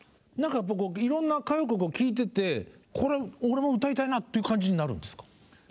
何かいろんな歌謡曲を聴いててこれ俺も歌いたいなっていう感じになるんですか？